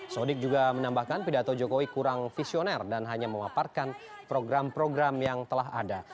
sodik juga menambahkan pidato jokowi kurang visioner dan hanya memaparkan program program yang telah ada